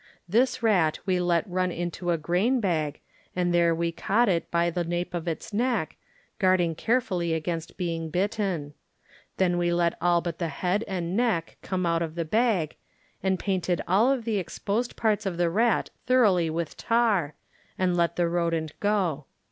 This rat we let run into a grain bag and there we caught it by the nape of its neck, guarding care fully against being bitten ; then we let all but the head and neck come out of the bag and painted all of the exposed parts of the rat thoroughly with tar, and let the rodent go.